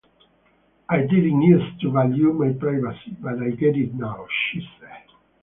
"I didn't used to value my privacy, but I get it now.", she said.